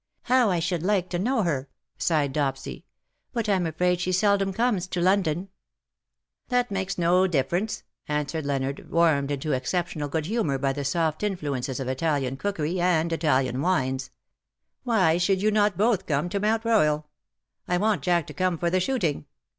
" How I should like to know her/' sighed Dopsy ;^ but I'm afraid she seldom comes to London." WE DRAW NIGH THEE." 187 " That makes no difference/^ answered Leonard, warmed into exceptional good humour by the soft influences of Italian cookery and Italian wines. 'f Why should not you both come to Mount Royal ? I want Jack to come for the shooting.